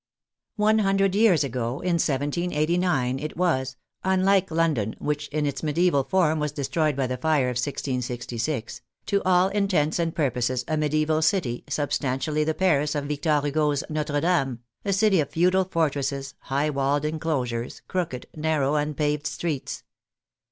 One hundred years ago, in 1789, it was (unlike London, which in its medieval form was destroyed by the fire of 1666), to all intents and purposes a medieval city, substantially the Paris of Victor Hugo's " Notre Dame," a city of feudal fortresses, high walled enclosures, crooked, nar row, unpaved streets.